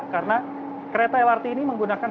karena kereta lrt ini menggunakan